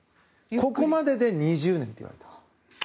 ここまでで２０年といわれています。